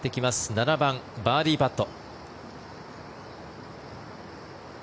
７番、バーディーパット。